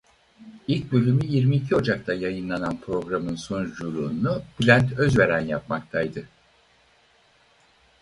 İlk bölümü yirmi iki Ocak'ta yayınlanan programın sunuculuğunu Bülend Özveren yapmaktaydı.